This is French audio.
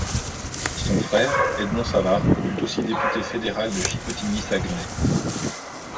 Son frère, Edmond Savard, fut aussi député fédéral de Chicoutimi—Saguenay.